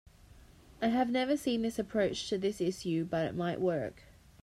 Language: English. I have never seen this approach to this issue, but it might work.